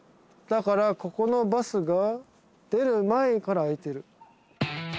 だからここのバスが出る前から開いてる。